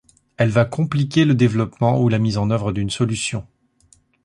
Elle va compliquer le développement ou la mise en œuvre d'une solution.